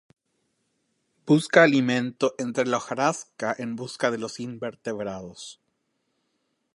Busca alimento entre la hojarasca en busca de los invertebrados.